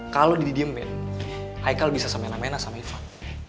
kalau didiemin haikal bisa sama sama sama ivan